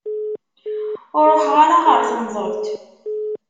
Ur ruḥeɣ ara ɣer temḍelt.